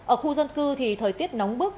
ở khu dân cư thì thời tiết nóng bức